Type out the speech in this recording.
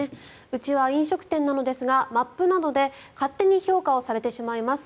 うちは飲食店なのですがマップなので勝手に評価をされてしまいます。